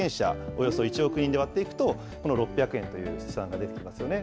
およそ１億人で割っていくと、この６００円という試算が出てきますよね。